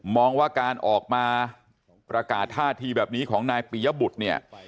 มองว่าการออกมาประกาศท่าทีแบบนี้ของนายปียบุตรเนี่ย